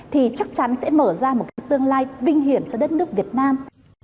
thì chắc chắn sẽ mở ra một cái tương lai vinh hiển cho đất nước việt nam